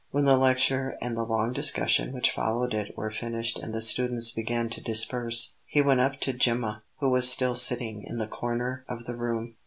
When the lecture and the long discussion which followed it were finished and the students began to disperse, he went up to Gemma, who was still sitting in the corner of the room.